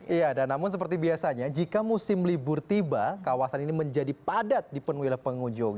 iya dan namun seperti biasanya jika musim libur tiba kawasan ini menjadi padat dipenuhi oleh pengunjung